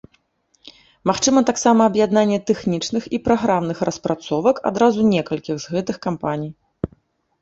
Магчыма таксама аб'яднанне тэхнічных і праграмных распрацовак адразу некалькіх з гэтых кампаній.